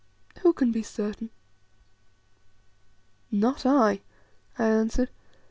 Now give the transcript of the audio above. Who can be certain?" "Not I," I answered.